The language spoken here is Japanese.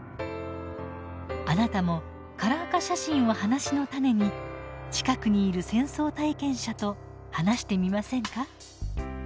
あなたもカラー化写真を話の種に近くにいる戦争体験者と話してみませんか？